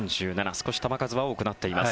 少し球数は多くなっています。